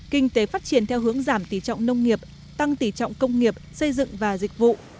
kinh tế phát triển theo hướng giảm tỉ trọng nông nghiệp tăng tỉ trọng công nghiệp xây dựng và dịch vụ